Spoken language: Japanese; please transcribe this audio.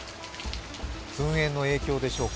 噴煙の影響でしょうか